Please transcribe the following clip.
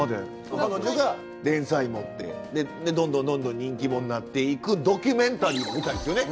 彼女が連載持ってどんどんどんどん人気者になっていくドキュメンタリー見たいですよね。